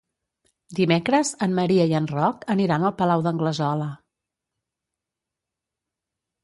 Dimecres en Maria i en Roc aniran al Palau d'Anglesola.